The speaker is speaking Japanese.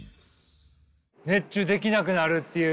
熱中できなくなるっていうね。